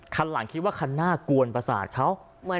คันหลังคิดว่าคันหน้ากวนประสาทเขา